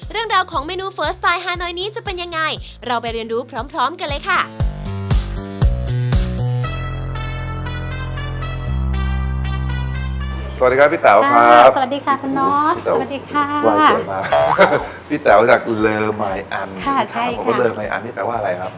เรอไมอันนี่แปลว่าอะไรครับ